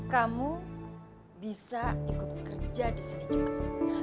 kamu bisa ikut kerja di sini juga